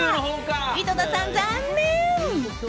井戸田さん、残念！